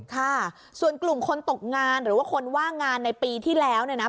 ค่ะส่วนกลุ่มคนตกงานหรือว่าคนว่างงานในปีที่แล้ว